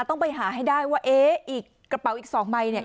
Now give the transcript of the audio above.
ต้องไปหาให้ได้ว่าเอ๊ะอีกกระเป๋าอีกสองใบเนี่ย